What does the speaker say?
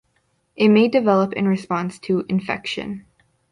It may develop in response to infection.